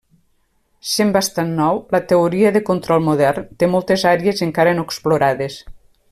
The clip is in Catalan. Sent bastant nou, la teoria de control modern, té moltes àrees encara no explorades.